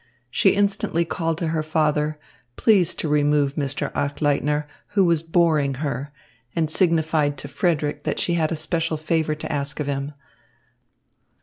She instantly called to her father, please to remove Mr. Achleitner, who was boring her, and signified to Frederick that she had a special favour to ask of him.